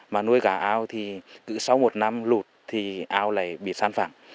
mà nuôi cá ao thì cứ sau một năm lụt thì ao lại bị sán phẳng